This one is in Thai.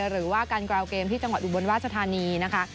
หรือว่าการกราวเกมที่จังหวัดอุบลราชธานีนะคะ